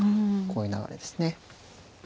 こういう流れですね。